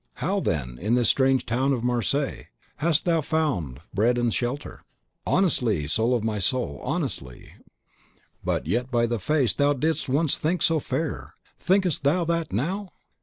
how, then, in this strange town of Marseilles, hast thou found bread and shelter?" "Honestly, soul of my soul! honestly, but yet by the face thou didst once think so fair; thinkest thou THAT now?"